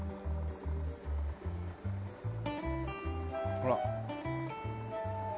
ほら。